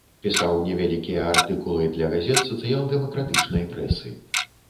Пісаў невялікія артыкулы для газет сацыял-дэмакратычнай прэсы.